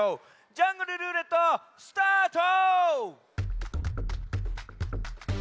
「ジャングルるーれっと」スタート！